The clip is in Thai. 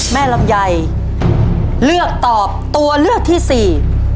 แม่ลำไยเลือกตอบตัวเลือกที่๔